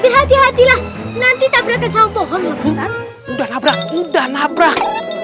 berhati hatilah nanti tak berada sama pohon udah nabrak udah nabrak